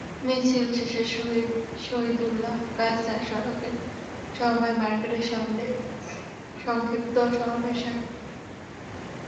মিছিল শেষে শহীদ শহীদুল্লা কায়সার সড়কের সমবায় মার্কেটের সামনে সংক্ষিপ্ত সমাবেশ হয়।